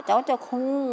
cháu cho không